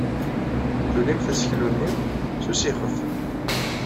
Tulimt aseklu-nni s usixef.